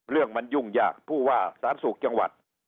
เรื่องมันยุ่งยากผู้ว่าสารสุขจังหวัด